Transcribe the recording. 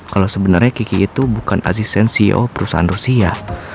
kalau sebenarnya kiki itu bukan asisten ceo perusahaan rusia